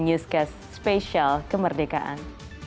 newscast spesial kemerdekaan